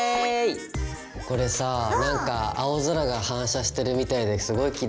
これさなんか青空が反射してるみたいですごいきれいじゃない？